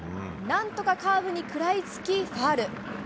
なんとかカーブに食らいつき、ファウル。